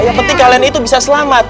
yang penting kalian itu bisa selamat